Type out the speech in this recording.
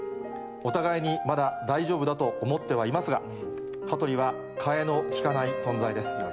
お互いにまだ大丈夫だと思ってはいますが、羽鳥は代えの利かない存在です。